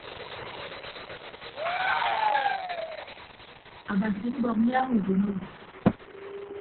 Abasi mbọk nyaaña ubon owo.